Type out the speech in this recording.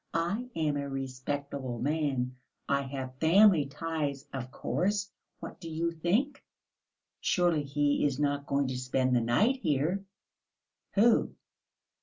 I am a respectable man, I have family ties, of course.... What do you think, surely he is not going to spend the night here?" "Who?"